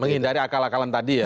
menghindari akal akalan tadi ya